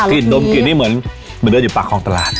กลิ่นดมกลิ่นนี่เหมือนมันเดินอยู่ปากฮองตลาด